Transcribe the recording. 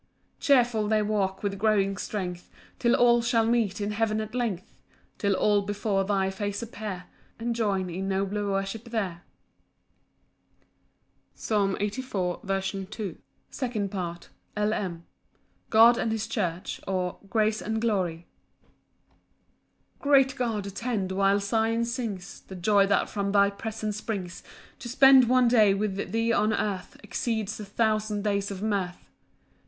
7 Cheerful they walk with growing strength, Till all shall meet in heaven at length, Till all before thy face appear, And join in nobler worship there. Psalm 84:2. Second Part. L. M. God and his church; or, Grace and glory. 1 Great God, attend, while Sion sings The joy that from thy presence springs To spend one day with thee on earth Exceeds a thousand days of mirth.